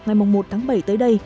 ngày một tháng bảy tới đây